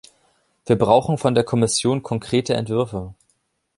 Wir brauchen von der Kommission konkrete Entwürfe.